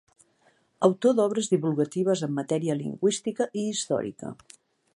Autor d'obres divulgatives en matèria lingüística i històrica.